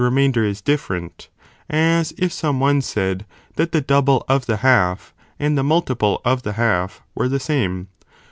mainder is different ; as if some one said, that the double of the half, and the multiple of the half, were the same.